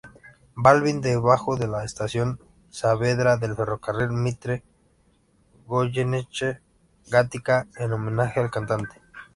Balbín debajo de la "Estación Saavedra" del "Ferrocarril Mitre" -Goyeneche-Gatica-, en homenaje al cantante.